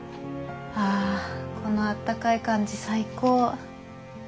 あこのあったかい感じ最高！